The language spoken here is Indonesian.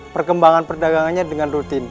perkembangan perdagangannya dengan rutin